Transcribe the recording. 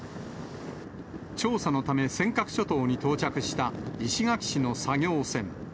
調査のため尖閣諸島に到着した石垣市の作業船。